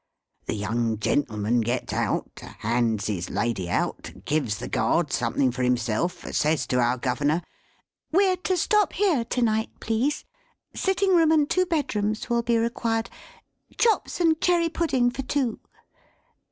The young gentleman gets out; hands his lady out; gives the Guard something for himself; says to our Governor, "We're to stop here to night, please. Sitting room and two bedrooms will be required. Chops and cherry pudding for two!"